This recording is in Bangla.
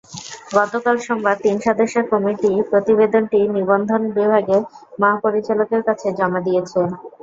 গতকাল সোমবার তিন সদস্যের কমিটি প্রতিবেদনটি নিবন্ধন বিভাগের মহাপরিচালকের কাছে জমা দিয়েছে।